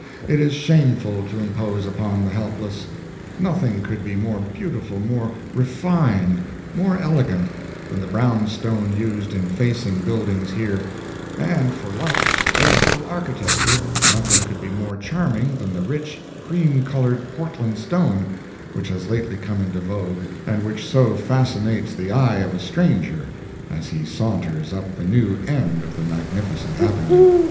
It is shameful to impose upon the helpless. Nothing could be more beautiful, more refined, more elegant, than the brown stone used in facing buildings here; and for light, graceful architecture, nothing could be more charming than the rich, cream colored Portland stone which has lately come into vogue, and which so fascinates the eye of a stranger, as he saunters up the new end of the magnificent avenue.